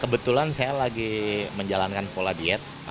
kebetulan saya lagi menjalankan pola diet